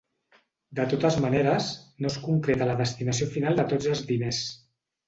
De totes maneres, no es concreta la destinació final de tots els diners.